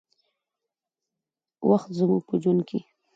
وخت زموږ په ژوند کې